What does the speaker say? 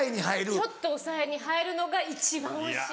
ちょっと抑えに入るのが一番おいしい。